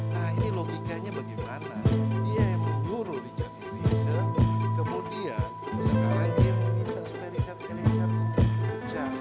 nah ini logikanya bagaimana dia yang menguruh richard harrison kemudian sekarang dia mau minta sudah richard harrison richard